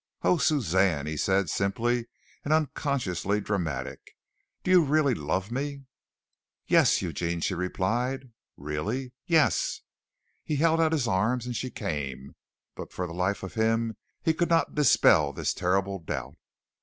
"Oh, Suzanne!" he said, simply and unconsciously dramatic. "Do you really love me?" "Yes, Eugene," she replied. "Really?" "Yes." He held out his arms and she came, but for the life of him he could not dispel this terrible doubt.